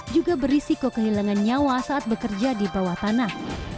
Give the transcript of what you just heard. juga berisiko kehilangan nyawa saat bekerja di bawah tanah